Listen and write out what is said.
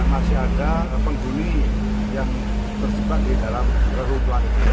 masih ada penghuni yang tersebut di dalam kerubuan